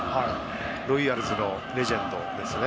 ロイヤルズのレジェンドですね。